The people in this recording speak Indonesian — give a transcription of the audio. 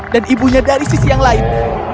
dan ibunya dari sisi yang lain